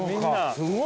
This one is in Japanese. すごい。